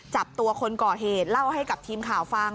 จับตัวคนก่อเหตุเล่าให้กับทีมข่าวฟัง